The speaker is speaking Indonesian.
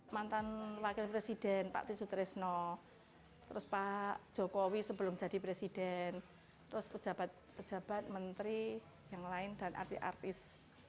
mantan wakil presiden pak tisu tresno terus pak jokowi sebelum jadi presiden terus pejabat pejabat menteri yang lain dan artis artis